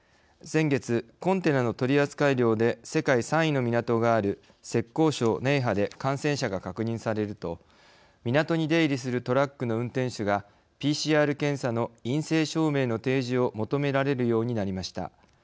先月、コンテナの取扱量で世界３位の港がある浙江省寧波で感染者が確認されると港に出入りするトラックの運転手がＰＣＲ検査の陰性証明の提示を求められるようになりました。